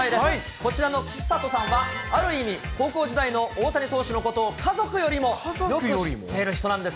こちらの岸里さんは、ある意味、高校時代の大谷投手のことを家族よりもよく知っている人なんです。